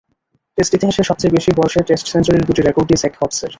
Test ইতিহাসে সবচেয়ে বেশি বয়সে টেস্ট সেঞ্চুরির দুটি রেকর্ডই জ্যাক হবসের।